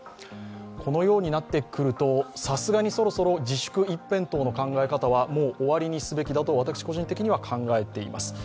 このようになってくるとさすがにそろそろ自粛一辺倒の考え方はもう終わりにすべきだと私、個人的には考えています。